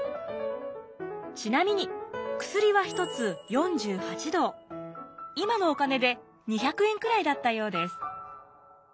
ちなみに薬は今のお金で２００円くらいだったようです。